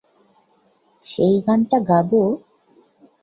সেই গানটা গাব?